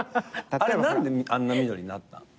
あれ何であんな緑になったの？